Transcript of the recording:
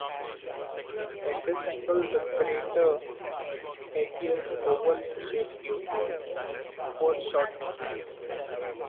At this angle the crater appears oval in shape due to foreshortening.